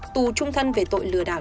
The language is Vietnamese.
tù trung thân về tội lừa đảo